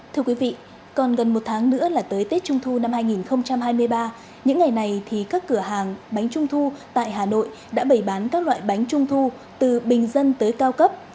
thưa quý vị còn gần một tháng nữa là tới tết trung thu năm hai nghìn hai mươi ba những ngày này thì các cửa hàng bánh trung thu tại hà nội đã bày bán các loại bánh trung thu từ bình dân tới cao cấp